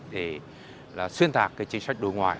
để là xuyên thạc cái chính sách đối ngoại